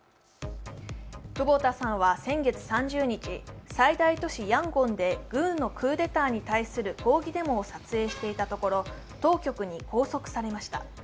久保田さんは先月３０日、最大都市ヤンゴンで軍のクーデターに対する抗議デモを撮影していたところ当局に拘束されました。